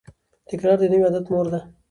تکرار د نوي عادت مور ده.